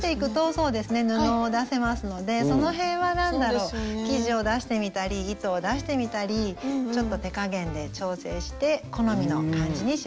そうですね布を出せますのでその辺は何だろ生地を出してみたり糸を出してみたりちょっと手加減で調整して好みの感じに仕上げていって下さい。